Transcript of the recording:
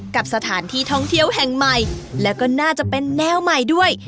กับสถานที่ท่องเที่ยวแห่งใหม่แล้วก็น่าจะเป็นแนวใหม่ด้วย